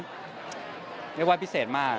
เรียกว่าพิเศษมาก